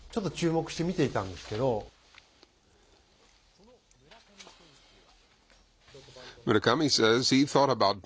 その村上選手は。